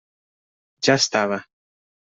Ja estava.